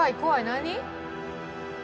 何？